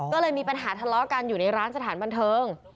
ก็เลยมีปัญหาทะเลาะกันอยู่ในร้านสถานบันเทิง